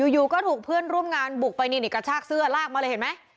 อยู่ก็ถูกเพื่อนร่วมงานบุกไปนี่กระชากเสื้อลากมาเลยเห็นไหม